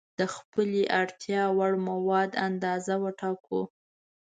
د خپلې اړتیا وړ موادو اندازه وټاکو.